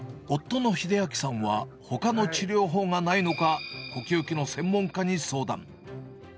夫の秀暁さんはほかの治療法がないのか、呼吸器の専門家に相談。